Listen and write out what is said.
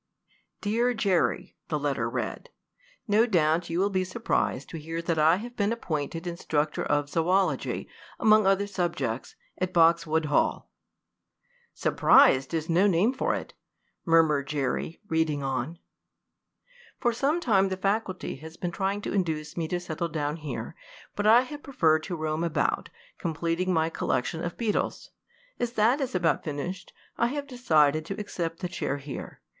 "Dear Jerry," the letter read, "no doubt you will be surprised to hear that I have been appointed instructor of zoology, among other subjects, at Boxwood Hall." "Surprised is no name for it!" murmured Jerry, reading on. "For some time the faculty has been trying to induce me to settle down here, but I have preferred to roam about, completing my collection of beetles. As that is about finished, I have decided to accept the chair here.